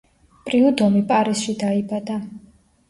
პრიუდომი პარიზში დაიბადა.